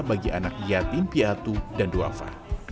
bagi anak yatim piatu dan duafa